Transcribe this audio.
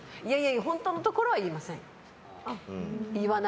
本当のところは言いません。